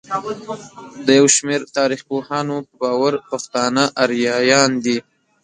د يوشمېر تاريخپوهانو په باور پښتانه اريايان دي.